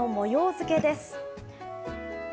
づけです。